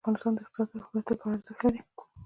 دښتې د افغانستان د اقتصادي ودې لپاره ارزښت لري.